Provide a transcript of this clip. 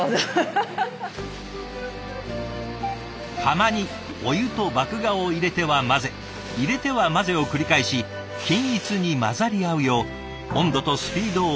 釜にお湯と麦芽を入れては混ぜ入れては混ぜを繰り返し均一に混ざり合うよう温度とスピードを見極めながら。